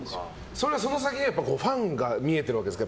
それはその先にはファンが見えてるわけですか？